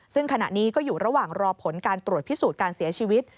ซึ่งขณะนี้ก็อยู่ระหว่างรอผลการตรวจพิสูจน์การเสียชีวิต